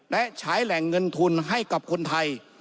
และฉายแหล่งเงินทุนให้กับคนไทย